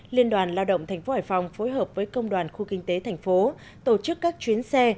liên đoàn lao động tp hải phòng phối hợp với công đoàn khu kinh tế thành phố tổ chức các chuyến xe